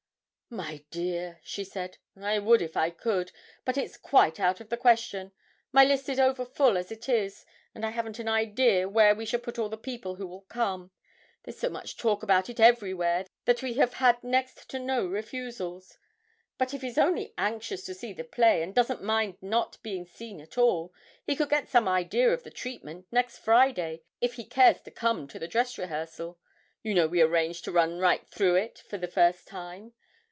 'My dear,' she said, 'I would if I could, but it's quite out of the question; my list is overfull as it is, and I haven't an idea where we shall put all the people who will come; there's so much talk about it everywhere that we have had next to no refusals. But if he's only anxious to see the play, and doesn't mind not being seen at it, he could get some idea of the treatment next Friday if he cares to come to the dress rehearsal. You know we arranged to run right through it for the first time.